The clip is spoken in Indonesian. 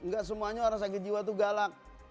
gak semuanya orang sakit jiwa itu galak